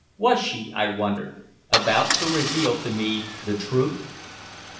Was she, I wondered, about to reveal to me the truth?